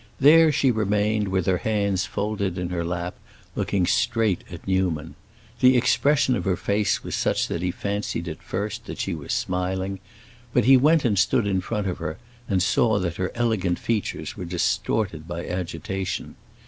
There she remained, with her hands folded in her lap, looking straight at Newman. The expression of her face was such that he fancied at first that she was smiling; but he went and stood in front of her and saw that her elegant features were distorted by agitation.